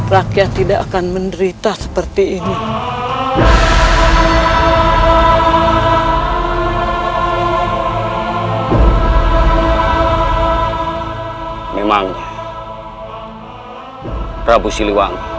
rakyat tidak akan menderita seperti ini